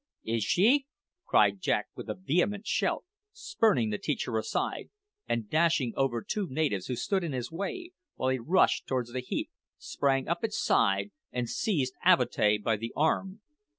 "Is she?" cried Jack with a vehement shout, spurning the teacher aside, and dashing over two natives who stood in his way, while he rushed towards the heap, sprang up its side, and seized Avatea by the arm.